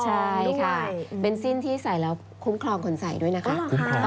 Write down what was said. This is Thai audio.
ใช่ค่ะเป็นเส้นที่ใส่แล้วคุ้มครองคนใส่ด้วยนะคะ